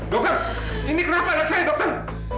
dokter ini kenapa anak saya dokter